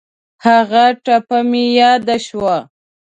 هغه ټپه مې یاد شوه.